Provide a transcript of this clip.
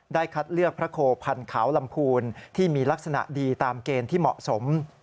คัดเลือกพระโคพันธ์ขาวลำพูนที่มีลักษณะดีตามเกณฑ์ที่เหมาะสม